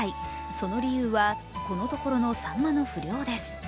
その理由はこのところのさんまの不漁です。